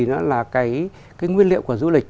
đó là cái nguyên liệu của du lịch